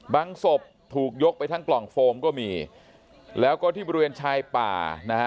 ศพถูกยกไปทั้งกล่องโฟมก็มีแล้วก็ที่บริเวณชายป่านะฮะ